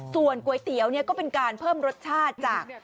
ส่วนก๋วยเตี๋ยวก็เป็นการเพิ่มรสชาติจาก